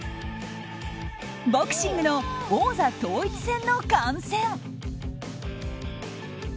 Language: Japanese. ボクシングの王座統一戦の観戦。